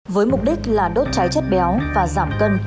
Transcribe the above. với mục đích là đốt cháy chất béo và giảm cân